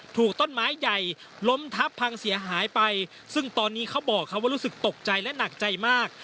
ถูกต้นไม้ใหญ่ล้มทับพังเสียหายไปซึ่งตอนนี้เขาบอกเขาว่ารู้สึกตกใจและหนักใจมาก